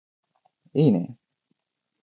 いーね